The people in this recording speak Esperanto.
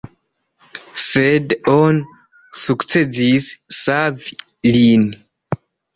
Sed oni sukcesis savi lin.